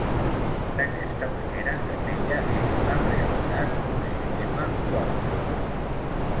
D'aquesta manera Capella és en realitat un sistema quàdruple.